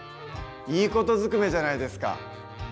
いい事ずくめじゃないですか！